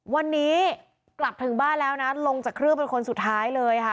วันนี้กลับถึงบ้านแล้วนะลงจากเครื่องเป็นคนสุดท้ายเลยค่ะ